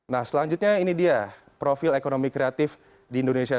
nah selanjutnya ini dia profil ekonomi kreatif di indonesia